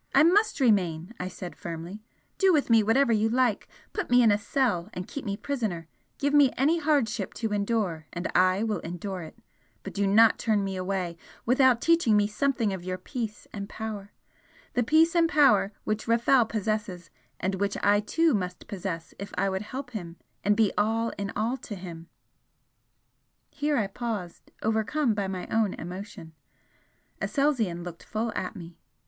"I MUST remain!" I said, firmly. "Do with me whatever you like put me in a cell and keep me a prisoner, give me any hardship to endure and I will endure it but do not turn me away without teaching me something of your peace and power the peace and power which Rafel possesses, and which I too must possess if I would help him and be all in all to him " Here I paused, overcome by my own emotion. Aselzion looked full at me.